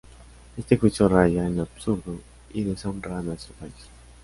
Este juicio raya en lo absurdo y deshonra a nuestro país.